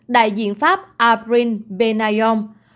đại diện pháp arvin benayon